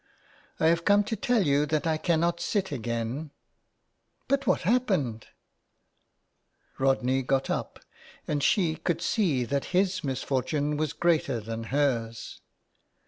'* I have come to tell you that I cannot sit again. But what has happened ?" Rodney got up, and she could see that his misfor tune was greater than her's.